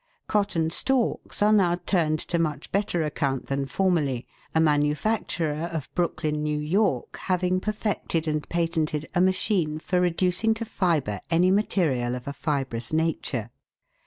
Cotton stalks are now turned to much better account than formerly, a manufacturer of Brooklyn, New York, having perfected and patented a machine for reducing to fibre any material of a fibrous nature.